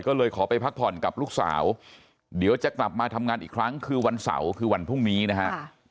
ก็เลยขอไปพักผ่อนกับลูกสาวเดี๋ยวจะกลับมาทำงานอีกครั้งคือวันเสาร์คือวันพรุ่งนี้นะฮะ